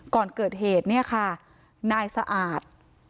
ก่อนเกิดเหตุค่ะนายสะอาด